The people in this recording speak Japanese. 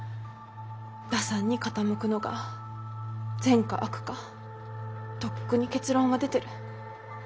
打算に傾くのが善か悪かとっくに結論は出てる。